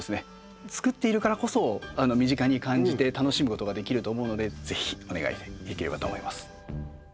つくっているからこそ身近に感じて楽しむことができると思うのでぜひお願いできればと思います。